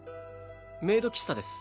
メイド喫茶です